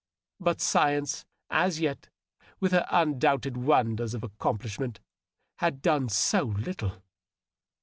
But science as yet, with her undoubted wonders of accomplishment, had done so little